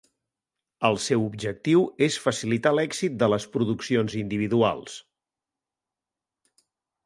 El seu objectiu és facilitar l'èxit de les produccions individuals.